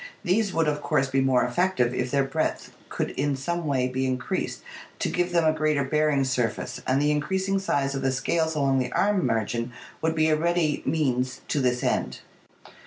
These would of course be more effective if their breadth could in some way be increased to give them a greater bearing surface, and the increasing size of the scales along the arm margin would be a ready means to 534 ORGANIC EVOLUTION this end.